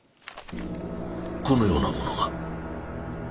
このようなものが。